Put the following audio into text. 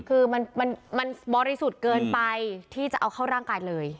คือมันบริสุทธิ์เกินไปที่จะเอาเข้าร่างกายเลย